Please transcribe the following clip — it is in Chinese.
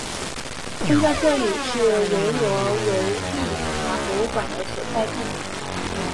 现在这里是维罗维蒂察博物馆的所在地。